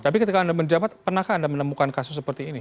tapi ketika anda menjabat pernahkah anda menemukan kasus seperti ini